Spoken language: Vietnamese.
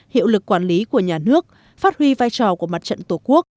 hiệu lực quản lý của nhà nước phát huy vai trò của mặt trận tổ quốc